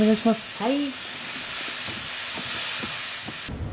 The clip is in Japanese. はい。